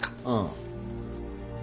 ああ。